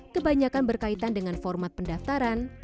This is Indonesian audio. kebanyakan berkaitan dengan format pendaftaran